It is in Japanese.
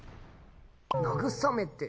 慰めて。